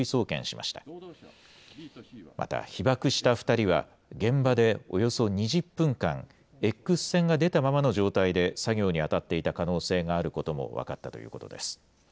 また、被ばくした２人は現場でおよそ２０分間、エックス線が出たままの状態で作業に当たっていた可能性があることも分かったということです。